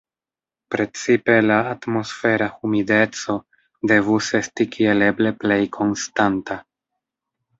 Precipe la atmosfera humideco devus esti kiel eble plej konstanta.